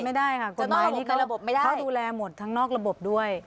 ไม่ได้ค่ะกฎหมายนี้เขาดูแลหมดทั้งนอกระบบด้วย